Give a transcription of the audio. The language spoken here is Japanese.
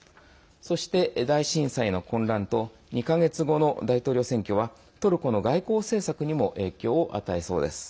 そして、大震災の混乱と２か月後の大統領選挙はトルコの外交政策にも影響を与えそうです。